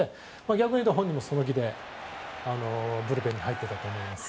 逆に言うと本人もその気でブルペンに入っていたと思います。